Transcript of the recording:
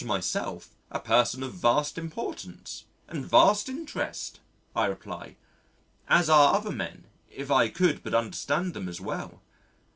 To myself, a person of vast importance and vast interest, I reply, as are other men if I could but understand them as well.